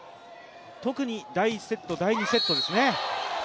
特に第１セット、第２セットですね。